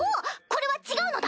これは違うのだ！